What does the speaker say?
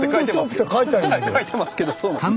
書いてますけどそうなんです。